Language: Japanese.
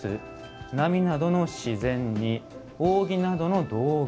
波などの自然に、扇などの道具。